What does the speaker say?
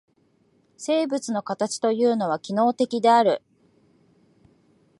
生物の形というのは機能的である。